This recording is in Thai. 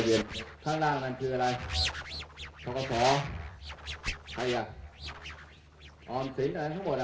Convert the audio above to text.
เมืองอัศวินธรรมดาคือสถานที่สุดท้ายของเมืองอัศวินธรรมดา